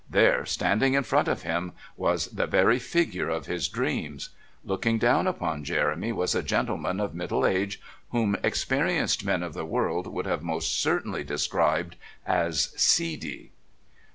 There, standing in front of him, was the very figure of his dreams! Looking down upon Jeremy was a gentleman of middle age whom experienced men of the world would have most certainly described as "seedy."